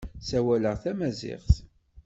Ssawaleɣ tamaziɣt.